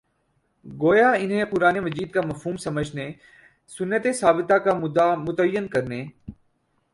گویا انھیں قرآنِ مجیدکامفہوم سمجھنے، سنتِ ثابتہ کا مدعا متعین کرنے